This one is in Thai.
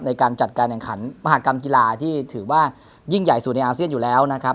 ในการจัดการแข่งขันมหากรรมกีฬาที่ถือว่ายิ่งใหญ่สุดในอาเซียนอยู่แล้วนะครับ